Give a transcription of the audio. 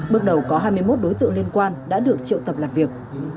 bước đầu có hai mươi một đối tượng liên quan đã được triệu tập làm việc